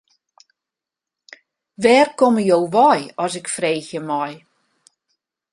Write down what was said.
Wêr komme jo wei as ik freegje mei.